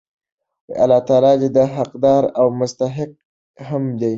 الله تعالی د دي حقدار او مستحق هم دی